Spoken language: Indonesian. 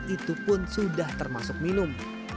itu pun sudah termasuk minum